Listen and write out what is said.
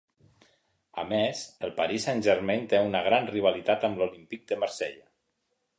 A més, el París de Saint Germain té una gran rivalitat amb l'Olympique de Marseille.